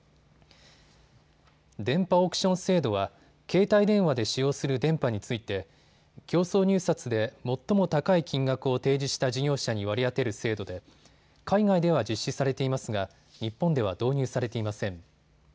電波オークション制度は、携帯電話で使用する電波について競争入札で最も高い金額を提示した事業者に割り当てる制度で海外では実施されていますが日本では導入されていません。